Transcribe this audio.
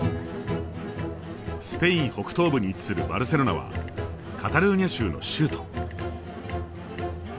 スペイン北東部に位置するバルセロナはカタルーニャ州の州都。